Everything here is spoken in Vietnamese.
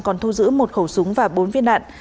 còn thu giữ một khẩu súng và bốn viên đạn